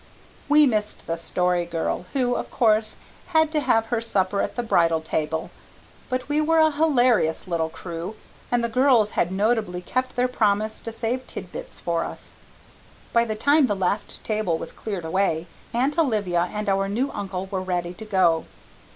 We missed the Story Girl, who, of course, had to have her supper at the bridal table; but we were a hilarious little crew and the girls had nobly kept their promise to save tid bits for us. By the time the last table was cleared away Aunt Olivia and our new uncle were ready to go.